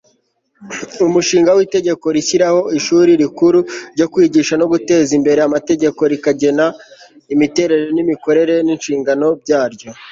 umushinga w'itegeko rishyiraho ishuri rikuru ryo kwigisha no guteza imbere amategeko rikanagena imiterere, imikorere n'inshingano byaryo